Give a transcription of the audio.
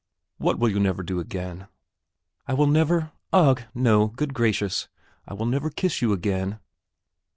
"What will you never do again?" "I will never ... ugh ... no ... good gracious ... I will never kiss you again!"